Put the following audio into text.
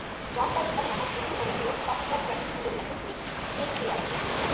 John the Ripper নামক বহুল জনপ্রিয় পাসওয়ার্ড ক্র্যাকিং টুলের লেখক হলেন পেস্লিয়াক।